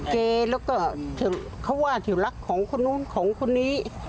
เกแล้วก็เขาว่าที่รักของคนนู้นของคนนี้